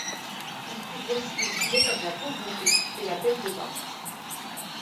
Il couvre aussi des sujets comme la pauvreté et la peine de mort.